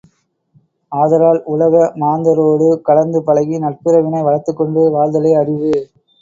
ஆதலால், உலக மாந்தரொடு கலந்து பழகி நட்புறவினை வளர்த்துக் கொண்டு வாழ்தலே அறிவு.